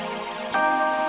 aku sudah lebih